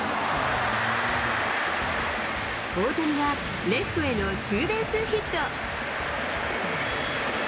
大谷はレフトへのツーベースヒット。